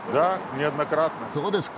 そうですか！